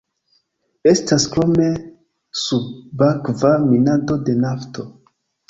Estas krome subakva minado de nafto.